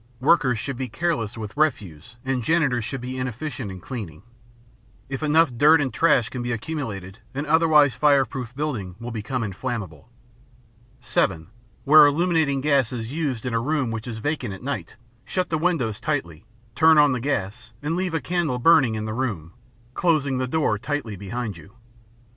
Workers should be careless with refuse and janitors should be inefficient in cleaning. If enough dirt and trash can be accumulated an otherwise fireproof building will become inflammable. (7) Where illuminating gas is used in a room which is vacant at night, shut the windows tightly, turn on the gas, and leave a candle burning in the room, closing the door tightly behind you.